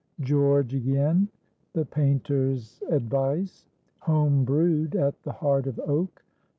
GEORGE AGAIN.—THE PAINTER'S ADVICE.—"HOME BREWED" AT THE HEART OF OAK.